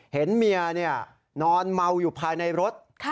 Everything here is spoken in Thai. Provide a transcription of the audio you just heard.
เห็นเมียนอนเมาอยู่ภายในรถ